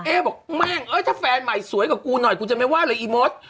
เอ๊ะบอกแม่งถ้าแฟนใหม่สวยกับกูหน่อยกูจะไม่ว่าเลยอีโมส